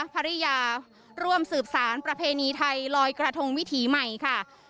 ภรรยาร่วมสืบสารประเพณีไทยลอยกระทงวิถีใหม่ค่ะ